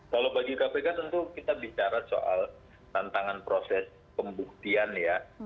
kalau bagi kpk tentu kita bicara soal tantangan proses pembuktian ya